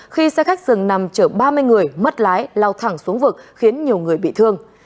khi xe khách dừng nằm chở ba mươi người mất lái lao thẳng xuống vực khiến nhiều người bị thương